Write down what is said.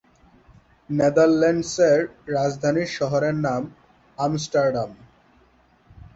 নেদারল্যান্ডসের রাজধানী শহরের নাম আমস্টারডাম।